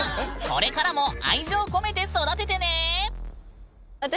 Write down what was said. これからも愛情込めて育ててね。